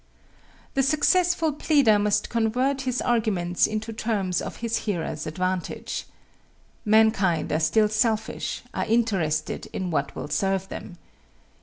The successful pleader must convert his arguments into terms of his hearers' advantage. Mankind are still selfish, are interested in what will serve them.